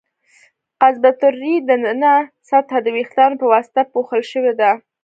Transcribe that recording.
قصبة الریې د ننه سطحه د وېښتانو په واسطه پوښل شوې ده.